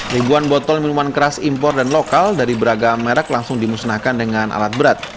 ribuan botol minuman keras impor dan lokal dari beragam merek langsung dimusnahkan dengan alat berat